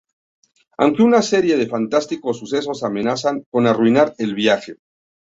Aunque una serie de fantásticos sucesos amenazan con arruinar el viaje.